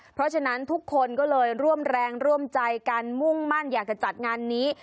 เพราะฉะนั้นทุกคนก็เลยร่วมแรงร่วมใจกันมุ่งมั่นอยากจะจัดงานนี้